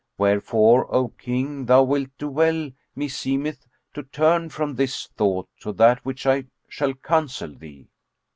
Wherefore, O King, thou wilt do well, meseemeth, to turn from this thought to that which I shall counsel thee."